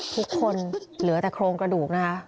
ทุกคนเหลือแต่โครงกระดูกนะคะ